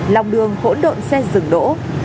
lòng đường hỗn độn xe dừng đỗ